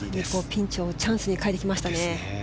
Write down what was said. ピンチをチャンスに変えてきましたね。